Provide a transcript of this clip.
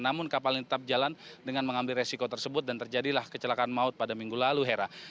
namun kapal ini tetap jalan dengan mengambil resiko tersebut dan terjadilah kecelakaan maut pada minggu lalu hera